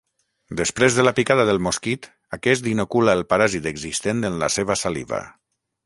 Després de la picada del mosquit, aquest inocula el paràsit existent en la seva saliva.